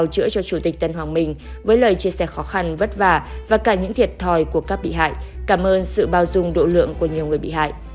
sửa chữa cho chủ tịch tân hoàng minh với lời chia sẻ khó khăn vất vả và cả những thiệt thòi của các bị hại cảm ơn sự bao dung độ lượng của nhiều người bị hại